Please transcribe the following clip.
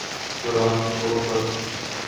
خوراک کے طور پر